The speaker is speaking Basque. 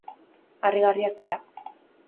Harrigarriak dira.